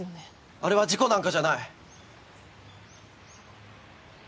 あれは事故なんかじゃない。